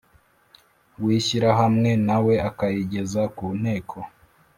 w Ishyirahamwe na we akayigeza ku Nteko